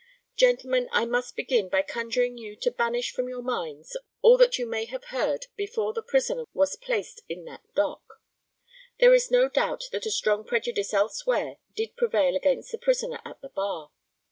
Gentlemen, I must begin by conjuring you to banish from your minds all that you may have heard before the prisoner was placed in that dock. There is no doubt that a strong prejudice elsewhere did prevail against the prisoner at the bar.